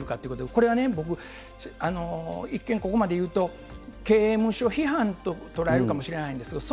これはね、僕、一見、ここまでいうと、刑務所をむしろ批判と捉えるかもしれないんですけれども、